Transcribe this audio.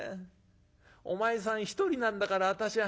お前さん一人なんだから私は。